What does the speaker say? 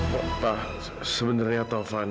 papa sebenarnya tovan